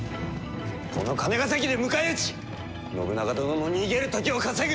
この金ヶ崎で迎え撃ち信長殿の逃げる時を稼ぐ！